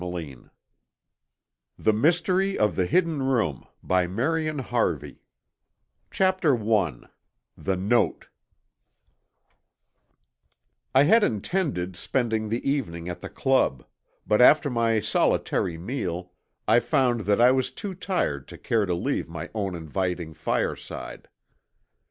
CONCLUSION 309 THE MYSTERY OF THE HIDDEN ROOM CHAPTER I THE NOTE I had intended spending the evening at the Club; but after my solitary meal, I found that I was too tired to care to leave my own inviting fireside.